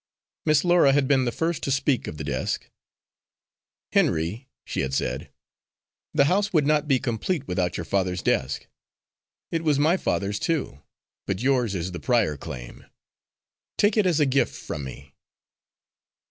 Miss Laura had been the first to speak of the desk. "Henry," she had said, "the house would not be complete without your father's desk. It was my father's too, but yours is the prior claim. Take it as a gift from me."